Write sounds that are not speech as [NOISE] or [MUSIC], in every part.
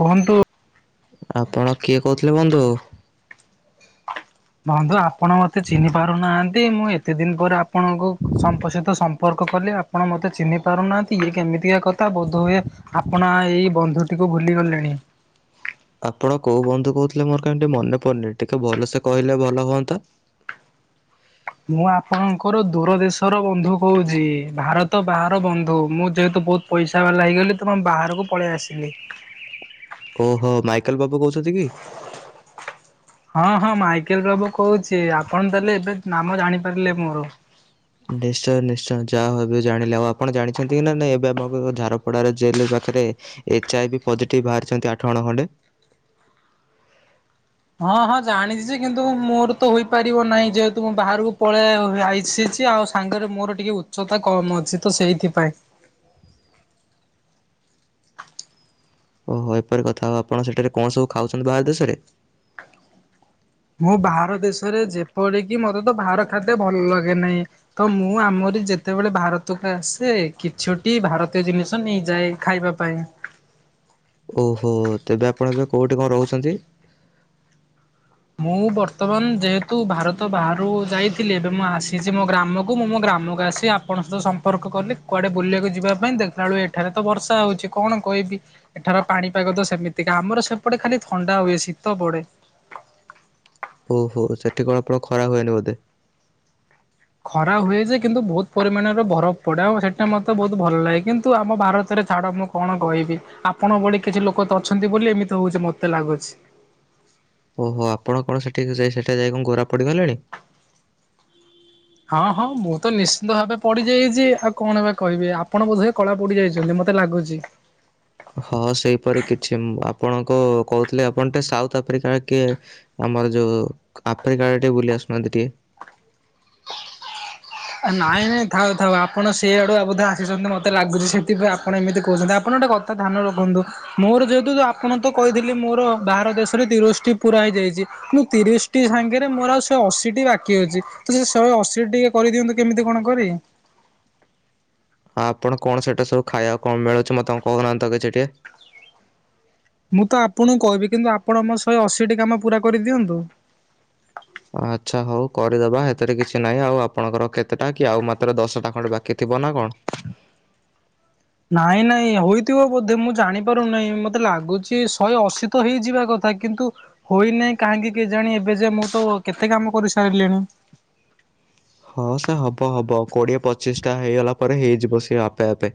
କୁହନ୍ତୁ। ଆପଣ କିଏ କହୁଥିଲେ ବନ୍ଧୁ? ବନ୍ଧୁ ଆପଣ ମତେ ଚିହ୍ନି ପାରୁନାହାନ୍ତି ମୁଁ ଏତେ ଦିନ ପରେ ଆପଣଙ୍କୁ ସମ୍ପ ସହିତ ସମ୍ପର୍କ କଲେ ଆପଣ ମତେ ଚିହ୍ନି ପାରୁନାହାନ୍ତି ଇଏ କେମିତିକା କଥା ବୋଧ ହୁଏ ଆପଣ ଏଇ ବନ୍ଧୁଟିକୁ ଭୁଲି ଗଲେଣି। ଆପଣ କୋଉ ବନ୍ଧୁ କହୁଥିଲେ ମୋର କାହିଁ ମନେ ପଡୁନି ଟିକେ ଭଲସେ କହିଲେ ଭଲ ହୁଅନ୍ତା। ମୁଁ ଆପଣଙ୍କର ଦୂର ଦେଶର ବନ୍ଧୁ କହୁଛି ଭାରତ ବାହାର ବନ୍ଧୁ ମୁଁ ଯେହେତୁ ବହୁତ ପଇସା ବାଲା ହେଇଗଲି ତମ ବାହାରକୁ ପଳେଇ ଆସିଲି। ଓହୋ ମାଇକେଲ ବାବୁ କହୁଛନ୍ତି କି? ହଁ ହଁ ମାଇକେଲ ବାବୁ କହୁଛି ଆପଣ ତାହେଲେ ଏବେ ନାମ ଜାଣିପାରିଲେ ମୋର। ନିଶ୍ଚୟ ନିଶ୍ଚୟ ଯାହାବବେ ଜାଣିଲେ ଆଉ ଆପଣ ଜାଣିଛନ୍ତି କି ନା ନାଁ ଏବେ ଆମ ଝାରପଡ଼ାର ଜେଲ ପାଖରେ ଏଚ୍ ଆଇ ବି ପଜିଟିଭ୍ ବାହାରିଛନ୍ତି ଆଠ ଜଣ ଖଣ୍ଡେ। ହଁ ହଁ ଜାଣିଛିଛି କିନ୍ତୁ ମୋର ତ ହେପାରିବ ନାହିଁ ଯେହେତୁ ମୁଁ ବାହାରକୁ ପଳେଇ ଆଇସିଛି ଆଉ ସାଙ୍ଗରେ ମୋର ଟିକେ ଉଚ୍ଚତା କମ ଅଛି ତ ସେଇଥିପାଇଁ। ଓହୋ ଏପରି କଥା ହଉ ଆପଣ ସେଠାରେ କଣ ସବୁ ଖାଉଛନ୍ତି ବାହାର ଦେଶରେ? ମୁଁ ବାହାର ଦେଶରେ ଯେପରିକି ମତେ ତ ବାହାର ଖାଦ୍ୟ ଭଲ ଲାଗେ ନାହିଁ। ତ ମୁଁ ଆମରି ଯେତେବେଳେ ଭାରତକୁ ଆସେ କିଛଟି ଭାରତୀୟ ଜିନିଷ ନେଇଯାଏ। ଖାଇବା ପାଇଁ। ଓହୋ ତେବେ ଆପଣ ଏବେ କୋଉଠି କଣ ରହୁଛନ୍ତି? ମୁଁ ବର୍ତ୍ତମାନ ଯେହେତୁ ଭାରତ ବାହାରୁକୁ ଯାଇଥିଲି ଏବେ ମୁଁ ଆସିଛି ମୋ ଗ୍ରାମକୁ ମୁଁ ମୋ ଗ୍ରାମକୁ ଆସିଛି ସେ ଆପଣଙ୍କ ସହିତ ସମ୍ପର୍କ କଲି କୁଆଡେ ବୁଲିବାକୁ ଯିବା ପାଇଁ ଦେଖିଲା ବେଳୁ ଏଠାରେ ତ ବର୍ଷା ହେଉଛି କଣ କହିବି। ଏଠାର ପାଣିପାଗ ତ ସେମିତିକା। ଆମର ସେପଟେ ଖାଲି ଥଣ୍ଡା ହୁଏ ଶୀତ ପଡେ। ଓହୋ! ସେଠି କଣ ଆପଣ ଖରା ହୁଏନି ବୋଧେ। ଖରା ହୁଏ ଯେ କିନ୍ତୁ ବହୁତ ପରିମାଣରେ ବରଫ ପଡେ। ଆଉ ସେଇଟା ମତେ ବହୁତ ଭଲ ଲାଗେ କିନ୍ତୁ ଆମ ଭାରତରେ ଛାଡ କଣ କହିବି ଆପଣ ଭଳି କିଛି ଲୋକ ତ ଅଛନ୍ତି ବୋଲି ଏମିତି ହଉଛି ମତେ ଲାଗୁଛି। ଓହୋ ଆପଣ କଣ ସେଠି ଯାଇ ସେଠ ଯାଇ କଣ ଘରା ପଡ଼ିଗଲେଣି। ହଁ ହଁ ମୁଁ ତ ନିଶ୍ଚିନ୍ତ ଭାବେ ପଡିଯାଇଛି ଆଉ କଣ ଏବା କହିବି ଆପଣ ବୋଧେ। କଳା ପୋଡି ଯାଇଛନ୍ତି ମତେ ଲାଗୁଛି। ହଁ ସେଇପରି କିଛି ଆପଣଙ୍କ କହୁଥିଲେ ଆପଣ ଟେ ସାଉଥ ଆଫ୍ରିକା କିଏ ଆମର ଯୋଉ ଆଫ୍ରିକା ଟିକେ ବୁଲି ଆସୁନାହାନ୍ତି ଟିକେ। ନାଇଁ ନାଇଁ ଥାଉ ଥାଉ ଆପଣ ସେଇଆଡୁ ବୋଧେ ଆସିଛନ୍ତି ମତେ ଲାଗୁଛି ସେ। ଏଥିପାଇଁ ଆପଣ ଏମିତି କହୁଛନ୍ତି ଆପଣ ଗୋଟେ କଥା ଧ୍ୟାନ ରଖନ୍ତୁ। ମୋର ଯେହେତୁ ଆପଣ ତ କହିଥିଲେ ମୋର ବାହାର ଦେଶରେ ତିରିଶଟି ପୁରା ହେଇଯାଇଛି। ମୁଁ ତିରିଶ ଟି ସାଙ୍ଗରେ ମୋର ଆଉ ସେ ଅଶୀଟି ବାକି ଅଛି ତ ସେ ଶହେ ଅଶୀ ଟିଏ କରିଦିଅନ୍ତୁ କେମିତି କଣ କରି। ହଁ ଆପଣ କଣ ସେଟା ସବୁ ଖାଇବା କଣ ମିଳୁଛି ମତେ ତେ କହୁନାହାନ୍ତି ତ କିଛି ଟିକେ। ମୁଁ ତ ଆପଣଙ୍କୁ କହିବି କିନ୍ତୁ ଆପଣ ମୋ ଶହେ ଅଶୀଟି କାମ ପୁରା କରିଦିଅନ୍ତୁ। ଆଚ୍ଛା ହଉ କରିଦବା ଏଥିରେ କିଛି ନାହିଁ ଆଉ ଆପଣଙ୍କର କେତେଟା କି ଆଉ ମାତ୍ର ଦଶଟା ଖଣ୍ଡେ ବାକି ଥିବ ନା କଣ। ନାଇଁ ନାଇଁ ହୋଇଥିବ ବୋଧେ ମୁଁ ଜାଣିପାରୁନାହିଁ ମତେ ଲାଗୁଛି ଶହେ ଅଶୀ ତ ହେଇଯିବା କଥା କିନ୍ତୁ। ହୋଇନହିଁ କାହିଁକି କେ ଜାଣି ଏବେ ଯେ ମୁଁ ତ କେତେ କାମ କରି ସାରିଲିଣି। ହଁ ସେ ହବ ହବ କୋଡିଏ ପଚିଶ ଟା ହେଇଗଲା ପରେ ହେଇଯିବ ସେି ଆପେ ଆପେ।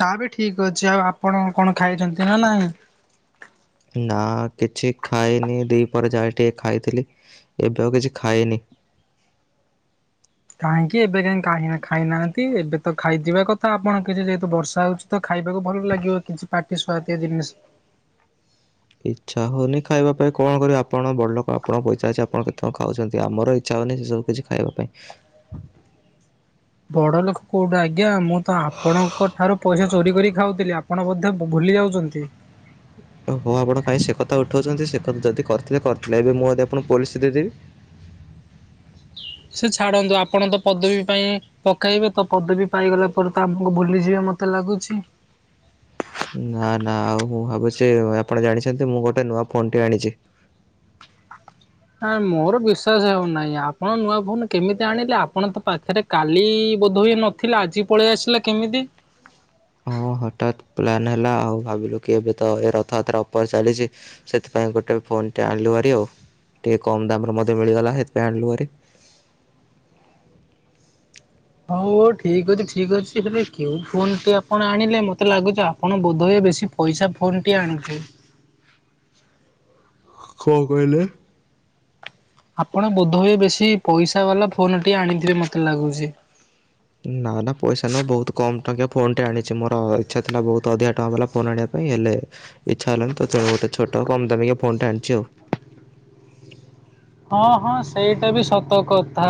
ତା ବି ଠିକ ଅଛି ଆଉ ଆପଣ କଣ ଖାଇଛନ୍ତି ନା ନାଇଁ? ନା କିଛି ଖାଇନି ଦି ପରେ ଯାଏ ଟିକେ ଖାଇଥିଲି ଏବେ ଆଉ କିଛି ଖାଇନି। କାହିଁକି ଏବେ କାହିଁ କା ଖାଇନାହାନ୍ତି? ଏବେ ତ ଖାଇଯିବା କଥା ଆପଣ କିଛି ଯେହେତୁ ବର୍ଷା ହଉଛି। ତ ଖାଇବାକୁ ଭଲ ଲାଗିବ କିଛି ପାଟି ସୁଆତିଆ ଜିନିଷ। ଇଚ୍ଛା ହଉନି ଖାଇବା ପାଇଁ କଣିବି ଆପଣ ବଡ଼ଲୋକ ଆପଣଙ୍କ ପଇସା ଅଛି। ଆପଣ କେତେ କଣ ଖାଉଛନ୍ତି ଆମର ଇଚ୍ଛା ହଉନି ସେ ସବୁ। ଖାଇବା ପାଇଁ। ବଡ ଲୋକ କୋଉଠି ଆଜ୍ଞା। ମୁଁ ତ ଆପଣ ଙ୍କ ଠାରୁ ପଇସା ଚୋରି କରି ଖାଉଥିଲେ। ଆପଣ ବୋ ଭୁଲି ଯାଉଛନ୍ତି। ଓ ହୋ ଆପଣ କାଇହିଁ ସେ କଥା ଉଠଉଛନ୍ତି। ସେ କଥା ଯଦି କରିଥିଲେ କରିଥିଲେ ଏବେ ମୁଁ ଯଦି ଆପଣଙ୍କୁ ପୋଲିସ ଦେଇଦେବି ସେ ଛାଡନ୍ତୁ ଆପଣ ତ ପଦବୀ ପାଇଁ ପକେଇବେ ତ ପଦବୀ ପାଇଗଲା ପରେ ତ ଆମକୁ ଭୁଲିଯିବା ମତେ ଲାଗୁଛି। ନା ନା ଆଉ ମୁଁ ଭାବୁଛି ଆପଣ ଜାଣିଛନ୍ତି ମୁଁ ଗୋଟେ ନୂଆ ଫୋନ ଟି ଆଣିଛି। ହ ମୋର ବିଶ୍ଵାସ ହଉନାହିଁ ଆପଣ ନୂଆ ଫୋନ କେମିତି ଆଣିଲେ। ଆପଣ ତ ପାଖରେ କାଲି ବୋଧ ହୁଏ ନଥିଲା, ଆଜି ପଳେଇ ଆସିଲା କେମିତି? ହଁ ହଠାତ୍ ପ୍ଲନ୍ ହେଲା। ଆଉ ଭାବିଲୁ କି ଏବେ ତ ଏ ରଥଯାତ୍ରା ଉପର ଚାଲିଛି। ସେଥିପାଇଁ ଗୋଟେ ଫୋନ ଆଣିଲୁ। ଆଉ ଟିକେ କମ ଦାମରେ ମିଳିଗଲା ସେଥିପାଇଁ ଆଣିଲୁ। ହଉ ହଉ ଠିକ ଅଛି ଠିକ ଅଛି। ହେଲେ କେଉଁ ଫୋନଟି ଆପଣ ଆଣିଲେ ମତେ ଲାଗୁଛ ଆଉ। ଆପଣ ବୋଧଏ ବେଶୀ ପଇସା ଫୋନ୍ଟିଏ ଆଣି କଣ କହିଲେ? ଆପଣ ବୋଧ ହୁଁଏ ବେଶୀ ପଇସା ବାଲା ଫୋନ ଟି ଆଣିଥିବେ ମତେ ଲାଗୁଛି। ନା ନା ପଇସା ନୁହଁ ବହୁତ କମ୍ ଟଙ୍କି ଫୋନଟେ ଆଣିଛି। ମୋର ଇଚ୍ଛା ଥିଲା ବହୁତ ଅଧିକା ଟଙ୍କା ବାଲା ଫୋନ୍ ଆଣିବା ପାଇଁ ହେଲେ ଇଛାଲାଣି ତଣୁ ଗୋଟ ଛୋଟ ଆ କମ ତମେ ଫୋ ଟେ ଆଣିଛି ଆଉ। ହଁ ହଁ ସେଇଟା ବି ସତ କଥା।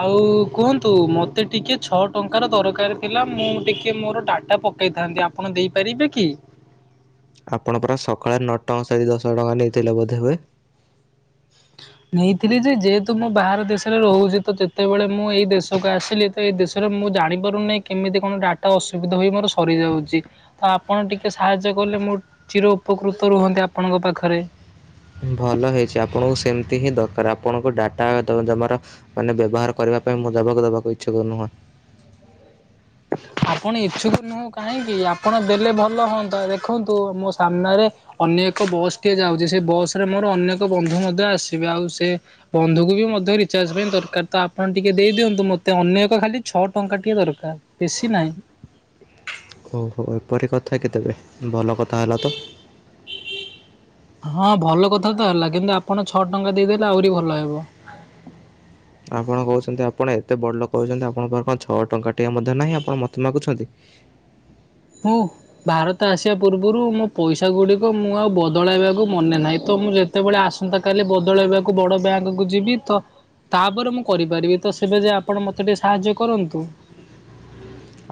ଆଉ କୁହନ୍ତୁ ମତେ ଟିକେ ଛଅ ଟଙ୍କାର ଦରକାର ଥିଲା। ମୁଁ ଟିକେ ମୋର ଡାଟା ପକ ପକେଇଥାନ୍ତି। ଆପଣ ଦେଇପାରିବେ କି? ଆପଣ ପରା ସକାଳେ ନଅ ଟଙ୍କା ସାରି ଦଶ ଟଙ୍କା ନେଇଥିଲେ ବୋଧେ ହୁଏ। ନେଇଥିଲି ଯେ ଯେହେତୁ ମୁଁ ବାହାର ଦେଶରେ ରହୁଛି ତ ଯେତେବେଳେ ମୁଁ ଏଇ ଦେଶକୁ ଆସିଲି। ତ ଏଇ ଦେଶରେ ମୁଁ ଜାଣିପାରୁନହିଁ କେମିତି କଣ ଡାଟା ଅସୁବିଧା ହ ମୋର ସରିଯାଉଛି। ତ ଆପଣ ଟିକେ ସାହାଯ୍ୟ କଲେ ମୋ ଚିର ଉପକୃତ ରୁହନ୍ତି ଆପଣଙ୍କ ପାଖରେ। ଭଲ ହେଇଛି। ଆପଣଙ୍କୁ ସେମିତି ହିଁ ଦରକାର। ଆପଣଙ୍କୁ ଡାଟା ଦେବାର ମାନେ ବ୍ୟବହାର କରିବା ପାଇଁ ମୁଁ ଦବାକ ଦବାକୁ ଇଚ୍ଛୁକ ନୁହଁ। ଆପଣ ଇଚ୍ଛୁକ ନୁହଁ କାହିଁକି ଆପଣ ଦେଲେ ଭଲ ହୁଅନ୍ତା ଦେଖନ୍ତୁ ମୋ ସାମ୍ନାରେ ଅନ୍ୟ ଏକ ବସ୍ ଟିଏ ଯାଉଛି ସେ ବସ ରେ ମୋର ଅନେକ ବନ୍ଧୁ ମଧ୍ୟ ଆସିବେ ଆଉ ସେ ବନ୍ଧୁକୁ ବି ମଧ୍ୟ ରିଚାର୍ଜ ପାଇଁ ଦରକାର ତ ଆପଣ ଟିକେ ଦେଇ ଦିଅନ୍ତୁ ମତେ ଅନେ ଏକ ଖାଲି ଛଅ ଟଙ୍କା ଟିକେ ଦରକାର। ବେଶୀ ନାହିଁ। ଓହୋ ଏପରି କଥା କି ତେବେ ଭଲ କଥା ହେଲା ତ। ହଁ ଭଲ କଥା ତ ହେଲା କିନ୍ତୁ ଆପଣ ଛଅ ଟଙ୍କା ଦେଇଦେଲେ ଆହୁରି ଭଲ ହେବ। ଆପଣ କହୁଛନ୍ତି ଆପଣ ଏତେ ବଡ଼ ଲୋକ କହୁଛନ୍ତି ଆପଣଙ୍କ ପାଖ କଣ ଛଅ ଟଙ୍କା ଟିକେ ମଧ୍ୟ ନାହିଁ ଆପଣ ମୋତେ ମାଗୁଛନ୍ତି। ହୁଁ। ଭାରତ ଆସିବା ପୂର୍ବରୁ ମୋ ପଇସା ଗୁଡିକ ମୁଁ ଆଉ ବଦଳାଇବାକୁ ମନେ ନାହିଁ ତ ମୁଁ ଯେ ତେବେଳେ ଆସନ୍ତା କାଲି ବଦଳେଇବାକୁ ବଡ ବ୍ୟାଙ୍କ କୁ ଯିବି ତ ତାପରେ ମୁଁ କରିପାରିବି ତ ସେବେ ଯେ ଆପଣ ମୋତେ ଟିକେ ସାହାଯ୍ୟ କରନ୍ତୁ।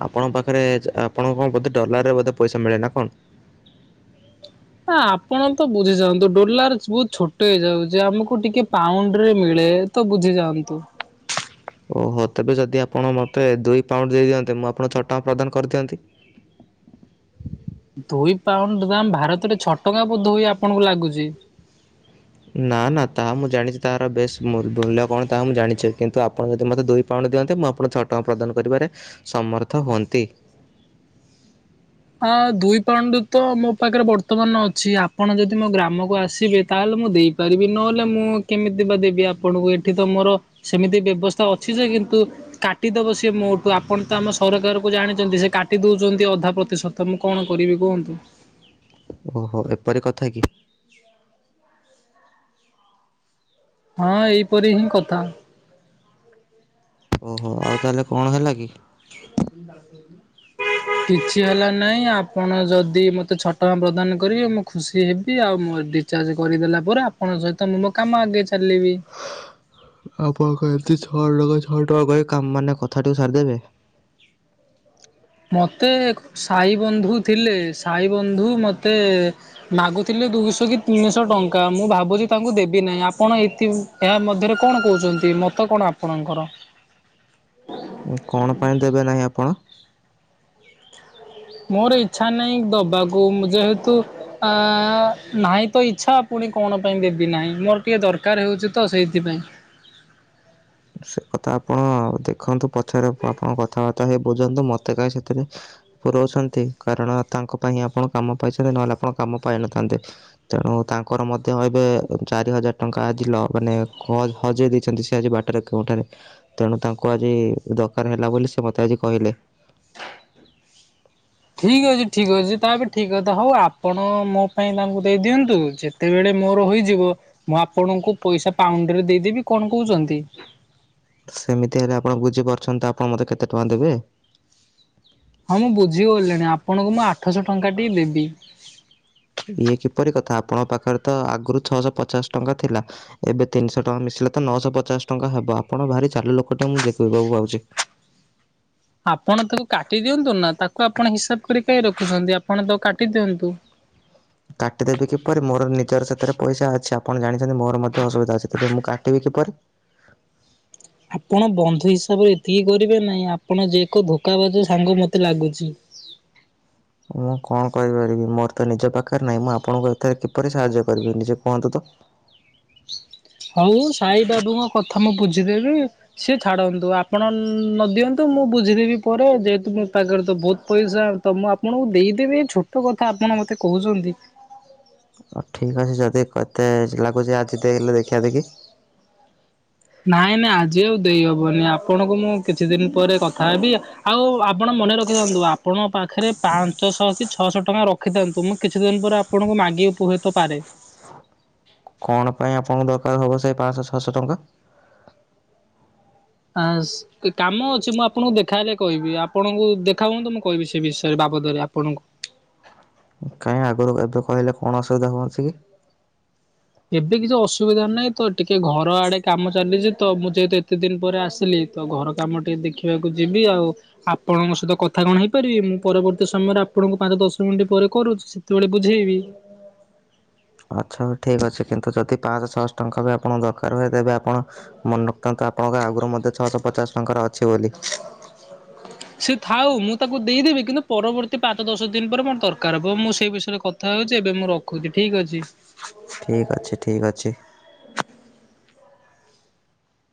ଆପଣ ପାଖରେ ଆପଣଙ୍କ କଣ ବୋଧେ ଡଲାର ରେ ବୋଧେ ପଇସା ମିଳେ ନା କଣ? ନା ଆପଣ ତ ବୁଝି ଯାଆନ୍ତୁ ଡୋଲାର ବହୁତ ଛୋଟ ହେଇଯାଉଛି ଆମକୁ ଟିକେ ପାଉଣ୍ଡୁ ରେ ମିଳେ। ତ ବୁଝିଯାଆନ୍ତୁ। ଓହୋ ତେବେ ଯଦି ଆପଣ ମୋତେ ଦୁଇ ପାଉଣ୍ଡୁ ଦେଇଦିଅନ୍ତେ ମୁଁ ଆପଣ ଛଅଟ ଟଙ୍କା ପ୍ରଦାନ କରିଦିଅନ୍ତି। ଦୁଇ ପାଉଣ୍ଡୁ ଦାମ ଭାରତରେ ଛଅ ଟଙ୍କା ବୋଧେ ହୁଏ ଆପଣଙ୍କୁ ଲାଗୁଛି। ନା ନା ତାହା ମୁଁ ଜାଣିଛି ତହାର ବେଶ ମୂଲ୍ୟ କଣ ତାହା ମୁଁ ଜାଣିଛି କିନ୍ତୁ ଆପଣ ଯଦି ମୋତେ ଦୁଇ ପଉଣୁ ଦିଅନ୍ତେ ମୁଁ ଆପଣଙ୍କୁ ଛଅ ଟଙ୍କା ପ୍ରଦାନ କରିବାରେ ସମର୍ଥ ହୁଅନ୍ତି। ଆ ଦୁଇ ପାଉଣ୍ଡୁ ତ ମୋ ପାଖରେ ବର୍ତ୍ତମାନ ଅଛି। ଆପଣ ଯଦି ମୋ ଗ୍ରାମକୁ ଆସିବେ ତାହେଲେ ମୁଁ ଦେଇ ପାରିବି ନହେଲେ ମୁଁ କେମିତି ବା ଦେବି ଆପଣଙ୍କୁ ଏଠି ତ ମୋର ସେମିତି ବ୍ୟବସ୍ଥା ଅଛି ଯେ କିନ୍ତୁ କାଟିଦବ ସିଏ ମୋଠୁ ଆପଣ ତ ଆମ ସରକାର କୁ ଜାଣିଛନ୍ତି ସେ କାଟି ଦଉଛନ୍ତି ଅଧା ପ୍ର ଏତେ ସତ ମୁଁ କ ଣ କରିବି କୁହନ୍ତୁ। ଓହୋ ଏପରି କଥା କି? ହଁ ଏଇପରି ହିଁ କଥା। ଓହୋ ଆଉ ତାହେଲେ କଣ ହେଲା କି? ା କରଥିଲ କିଛି ହେଲା ନାହିଁ ଆପଣ ଯଦି ମୋତେ ଛଅ ଟଙ୍କା ପ୍ରଦାନ କରିବେ ମୁଁ ଖୁସି ହେବି ଆଉ ମୁଁ ରିଚାର୍ଜ କରିଦେଲା ପରେ ଆପଣଙ୍କ ସହିତ ମୁଁ ମୋ କାମ ଆଗେ ଚାଲିବି ଆପଣଙ୍କ ଏମିତି ଛ ଟଙ୍କା ଛଅ ଟଙ୍କା କହି କା ମାନେ କଥା ଟି ସାରିଦେବେ। ମତେ ସାଇ ବନ୍ଧୁ ଥିଲେ ସାଇ ବନ୍ଧୁ ମତେ ମାଗୁଥିଲେ ଦୁଇଶହ କି ତିନିଶହ ଟଙ୍କା ମୁଁ ଭାବୁଛି ତାଙ୍କୁ ଦେବି ନାହିଁ ଆପଣ ଏତି ଏହା ମଧ୍ୟରେ କଣ କହୁଛନ୍ତି ମତ କଣ ଆପଣଙ୍କର? କଣ ପାଇଁ ଦେବେ ନାହିଁ ଆପଣ? ମୋର ଇଚଛା ନାହିଁ ଦବାକୁ ଯେହେତୁ ଆ ନାହିଁ ତ ଇଚ୍ଛା ପୁଣି କଣ ପାଇଁ ଦେବି ନାହିଁ ମୋର ଟିକେ ଦରକାର ହେଉଛି ତ ସେଇଥିପାଇଁ। ସେ କଥା ଆପଣ ଦେଖନ୍ତୁ ପଛରେ ଆପଣ କଥାବାର୍ତ୍ତା ହେଇ ବୁଝନ୍ତୁ ମତେ କାହିଁ ସେଥିରେ ପୁରଉସନ୍ତି କାରଣ ତାଙ୍କ ପାଇଁ ହିଁ ଆପଣ କାମ ପାଇଛନ୍ତି ନହେଲେ ଆପଣ କାମ ପାଇନଥାନ୍ତେ। ତେଣୁ ତାଙ୍କର ମଧ୍ୟ ଏବେ ଚାରି ହଜାର ଟଙ୍କା ଆଜିିଲ ମାନେ ହଜେଇ ଦେଇଛନ୍ତି ସେ ଆଜି ବାଟ କେଉଁଠାରେ କେଉଁଠାରେ ତେଣୁ ତାଙ୍କୁ ଆଜି ଦରକାର ହେଲା ବୋଲି ସେ ମତେ ଆଜି କହିଲେ। ଠିକ୍ ଅଛି ଠିକ୍ ଅଛି ତା ବି ଠିକ କଥା ହଉ ଆପଣ ମୋ ପାଇଁ ତାଙ୍କୁ ଦେଇଦିଅନ୍ତୁ ଯେ ତେବେଳେ ମୋର ହେଯିବ ମୁଁ ଆପଣଙ୍କୁ ପଇସା ପାଉଣ୍ଡରେ ଦେଇଦେବି କଣ କହୁଛନ୍ତି? ସେମିତି ହେଲେ ଆପଣ ବୁଝିପାରୁଛନ୍ତି ତ ଆପଣ ମତେ କେତେ ଟଙ୍କା ଦେବେ? ହଁ ମୁଁ ବୁଝିଗିଲିଣି ଆପଣଙ୍କୁ ମୁଁ ଆଠଶହ ଟଙ୍କା ଟିକେ ଦେବି। ଇଏ କିପରି କଥା ଆପଣଙ୍କ ପାଖରେ ତ ଆଗରୁ ଛଅଶହ ପଚାଶ ଟଙ୍କା ଥିଲା। ଏବେ ତିନିଶହ ଟଙ୍କା ମିଶିଲେ ତ ନଅଶହ ପଚାଶ ଟଙ୍କା ହବ ଆପଣ ଭାରି ଚାଲୁ ଲୋକ କିଏ ମୁଁ ଦେଖିବାକୁ ପାଉଛି। ଆପଣ ତାକୁ କାଟି ଦିଅନ୍ତୁ ନା ତାକୁ ଆପଣ ହିସାବ କରି କାହି ରଖୁଛନ୍ତି ଆପଣ ତାକୁ କାଟି ଦିଅନ୍ତୁ। କାଟିଦେବି କିପରି ମୋର ନିଜର ସାଥିରେ ପଇସା ଅଛି ଆପଣ ଜାଣିଛନ୍ତି ମୋର ମଧ୍ୟ ଅସୁବିଧା ଅଛି ତେବେ ମୁଁ କାଟିବି କିପରି। ଆପଣ ବନ୍ଧୁ ହିସାବରେ ଏତିକି କରିବେ ନାହିଁ ଆପଣ ଯେଏ ଏକ ଧୋକା ବାଜ ସାଙ୍ଗ ମତେ ଲାଗୁଛି। ମୁଁ କଣ କରିପାରିବି ମୋର ତ ନିଜ ପାଖରେ ନାହିଁ ମୁଁ ଆପଣଙ୍କୁ ଏଥରେ କିପରି ସାହାଯ୍ୟ କରିବି ନିଜେ କୁହନ୍ତୁ ତ। ହଉ ସାଇ ବାବୁଙ୍କ କଥା ମୁଁ ବୁଝିଦେବି ସିଏ ଛାଡ଼ନ୍ତୁ ଆପଣ ନଦିଅନ୍ତୁ ମୁଁ ବୁଝିଦେବି ପରେ ଯେହେତୁ ମୋ ପାଖରେ ତ ବହୁତ ପଇସା ତ ମୁଁ ଆପଣଙ୍କୁ ଦେଇଦେବି ଏଇ ଛୋଟ କଥା ଆପଣ ମତେ କହୁଚନ୍ତି। ହଉ ଠିକ୍ ଅଛି ଯଦି କେତେ ଲାଗୁଚି ଆଜି ଦେଇଲେ ଦେଖିିବା ଦେଖି। ନାଇଁ ନାଇଁ ଆଜି ଆଉ ଦେଇହବନି ଆପଣଙ୍କୁ ମୁଁ କିଛି ଦିନ ପରେ କଥା ହେବି ଉ ଆଉ ଆପଣ ମନେ ରଖିଥାନ୍ତୁ ଆପଣଙ୍କ ପାଖରେ ପାଞ୍ଚଶହ କି ଛଅଶହ ଟଙ୍କା ରଖିଥାନ୍ତୁ ମୁଁ କିଛି ଦିନ ପରେ ଆପ ଆପଣଙ୍କୁ ମାଗି ଉପତ ପାରେ କଣ ପାଇଁ ଆପଣଙ୍କୁ ଦରକାର ହବ ସେଇ ପାଞ୍ଚଶହ ଛଅଶହ ଟଙ୍କା? ଆସ୍ କାମ ଅଛି ମୁଁ ଆପଣଙ୍କୁ ଦେଖାହଲେ କହିବି ଆପଣଙ୍କୁ ଦେଖା ହୁଅନ୍ତୁ ମୁଁ କହିବି ସେ ବିଷୟରେ ବାବଦରେ ଆପଣଙ୍କୁ। କାଇଁ ଆଗରୁ ଏବେ କହିଲ କଣ ଅସୁବିଧା ହୁଅଛି କି? ଏବେ କିଛି ଅସୁବିଧା ନାହିଁ ତ ଟିକେ ଘର ଆଡେ କାମ ଚାଲିଛି ତ ମୁଁ ଯେହେତୁ ଏତେ ଦିନ ପରେ ଆସିଲି ତ ଘର କାମ ଟିକେ ଦେଖିବାକୁ ଯିବି ଆଉ ଆପଣଙ୍କ ସହିତ କଥା କଣ ହେଇପାରିବି ମୁଁ ପରବର୍ତ୍ତୀ ସମୟରେ ଆପଣଙ୍କୁ ପାଞ୍ଚ ଦଶ ମିନିଟ୍ ପରେ କରୁଚି ସେତେବେଳେ ବୁଝେଇବି ଆଚ୍ଛା ଠିକ୍ ଅଛି କିନ୍ତୁ ଯଦି ପାଞ୍ଚଶହ ଛଅଶହ ଟଙ୍କା ବି ଆପଣଙ୍କୁ ଦରକାର ହୁଏ ତେବେ ଆପଣ ମନେପକାନ୍ତୁ ଆପଣଙ୍କ ଆଗରୁ ମଧ୍ୟ ଛଅଶହ ପଚାଶ ଟଙ୍କାର ଅଛି ବୋଲି। [INAUDIBLE] ସେ ଥାଉ ମୁଁ ତାକୁ ଦେଇଦେବି କିନ୍ତୁ ପରବର୍ତ୍ତୀ ପାଞ୍ଚ ଦଶ ଦିନ ପରେ ମୋର ଦରକାର ହବ ମୁଁ ସେଇ ବିଷୟରେ କ କଥା ହଉଚି ଏବେ ମୁଁ ରଖୁଚି ଠିକ୍ ଅଛି। ଠିକ୍ ଅଛି ଠିକ୍ ଅଛି।